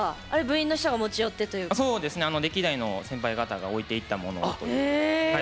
歴代の先輩方が置いていったものを。